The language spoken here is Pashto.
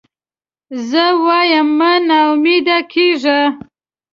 زه وایم مه نا امیده کېږی.